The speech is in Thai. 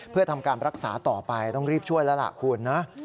เพื่อทำการรักษาต่อไปต้องรีบช่วยแล้วล่ะคุณนะ